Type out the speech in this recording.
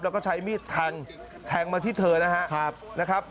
แล้วก็ใช้มีดแทงแทงมาที่เธอนะครับ